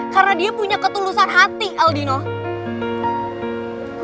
karena dia punya ketulusan hati aldino